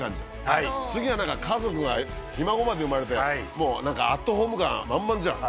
次は何か家族がひ孫まで生まれてもう何かアットホーム感満々じゃん。